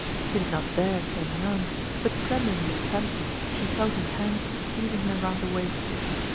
She did not dare turn round, but tremblingly fancied she felt his hands seizing her round the waist.